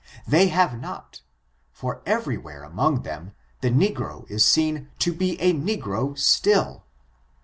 They have not, for every where among them, the negro is seen to be a negro still.